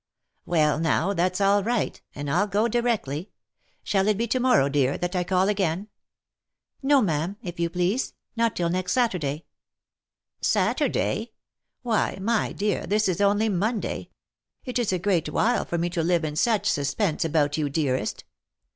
" Well now, that's all right, and I'll go directly. Shall it be to morrow, dear, that I call again ?"" No, ma'am, if you please, not till next Saturday." "Saturday? Why, my dear, this is only Monday — it is a great while for me to live in such suspense about you, dearest."